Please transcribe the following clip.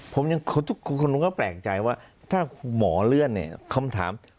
คนหนึ่งก็แปลกใจว่าถ้าหมอเลื่อนเนี่ยค์คำถาม